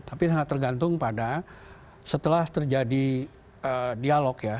tapi sangat tergantung pada setelah terjadi dialog ya